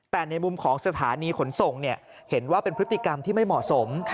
แต่ในมุมของสถานีขนส่งเห็นว่าเป็นพฤติกรรมที่ไม่เหมาะสม